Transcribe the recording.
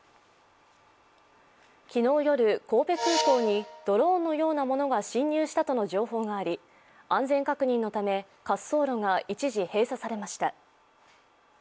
昨日夜、神戸空港にドローンのようなものが侵入したとの情報があり安全確認のため、滑走路が一時閉鎖されました。